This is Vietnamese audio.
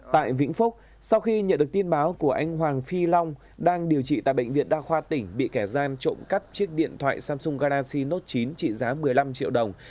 tại vĩnh phúc sau khi nhận được tin báo của anh hoàng phi long đang điều trị tại bệnh viện đa khoa tỉnh bị kẻ gian trộm cắp chiếc điện thoại samsung galaxy note chín trị giá một mươi năm triệu đồng